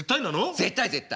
絶対絶対。